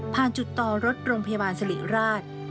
จุดต่อรถโรงพยาบาลสิริราช